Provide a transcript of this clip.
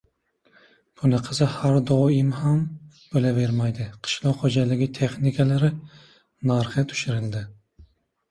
Bunaqasi har doim ham bo‘lavermaydi. Qishloq xo‘jaligi texnikalari narxi tushirildi